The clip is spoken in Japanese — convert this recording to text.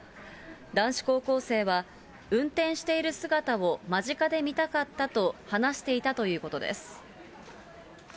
男子高校生は、運転している姿を間近で見たかったと話していたということです。